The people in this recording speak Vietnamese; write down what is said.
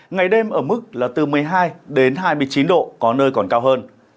ngày đêm ở mức là từ một mươi hai đến hai mươi chín độ có nơi còn cao hơn